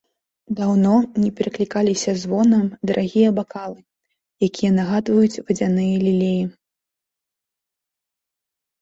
Даўно не пераклікаліся звонам дарагія бакалы, якія нагадваюць вадзяныя лілеі.